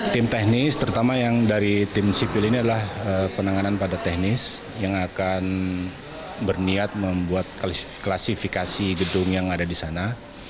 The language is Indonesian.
tim teknis terutama yang dari tim sipil ini adalah penanganan pada teknis yang akan berniat membuat klasifikasi gedung yang ada di sana